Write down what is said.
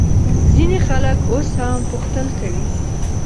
ځینې خلک اوس هم پوښتل کوي.